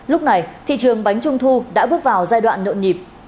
lúc này thị trường bánh trung thu đã bước vào giai đoạn nợn nhịp